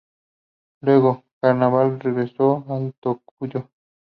Luego, Carvajal regresó a El Tocuyo.